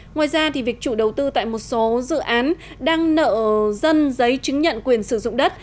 ngoài ra việc chủ đầu tư tại một số dự án đang nợ dân giấy chứng nhận quyền sử dụng đất